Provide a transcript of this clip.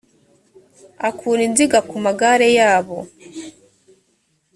akura inziga ku magare yabo